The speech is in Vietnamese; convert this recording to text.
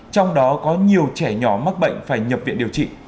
trong đó có nhiều trẻ nhỏ mắc bệnh phải nhập viện điều trị